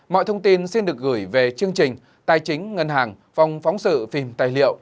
mọi thông tin xin được gửi về chương trình tài chính ngân hàng phòng phóng sự phim tài liệu